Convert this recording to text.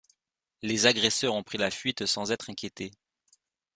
Les agresseurs ont pris la fuite sans être inquiétés.